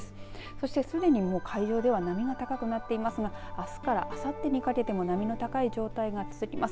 そして、すでにもう海上では波が高くなっていますがあすからあさってにかけても波の高い状態が続きます。